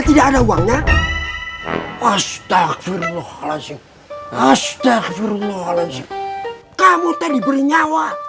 tidak ada uangnya astagfirullahaladzim astagfirullahaladzim kamu tadi bernyawa